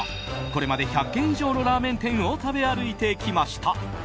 これまで１００軒以上のラーメン店を食べ歩いてきました。